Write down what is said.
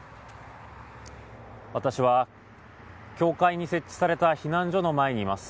私は教会に設置された避難所の前にいます。